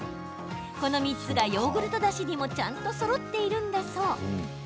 この３つがヨーグルトだしにもちゃんとそろっているんだそう。